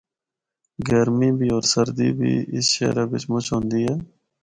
گرمی بھی ہور سردی بھی اس شہرا بچ مچ ہوندی ہے۔